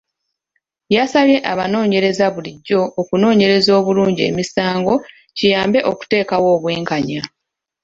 Yasabye abanoonyereza bulijjo okunoonyereza obulungi emisango kiyambe okuteekawo obwenkanya.